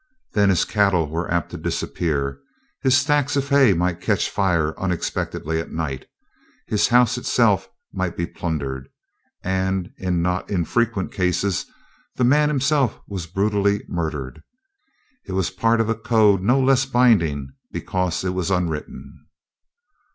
Then his cattle were apt to disappear. His stacks of hay might catch fire unexpectedly at night. His house itself might be plundered, and, in not infrequent cases, the man himself was brutally murdered. It was part of a code no less binding because it was unwritten.